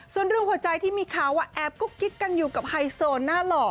ส่วนเรื่องหัวใจที่มีข่าวว่าแอบกุ๊กกิ๊กกันอยู่กับไฮโซหน้าหล่อ